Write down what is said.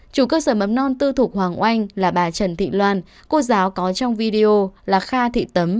chủ cơ sở mầm non tư thục hoàng oanh là bà trần thị loan cô giáo có trong video là kha thị tấm